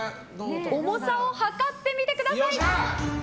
重さを量ってみてください！